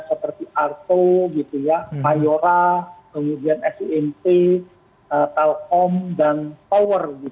seperti arto mayora kemudian sint telkom dan power